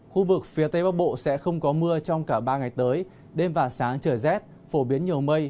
khu vực phía tây bắc bộ sẽ không có mưa trong cả ba ngày tới đêm và sáng trời rét phổ biến nhiều mây